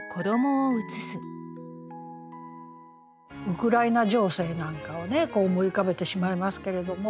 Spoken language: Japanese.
ウクライナ情勢なんかをね思い浮かべてしまいますけれども。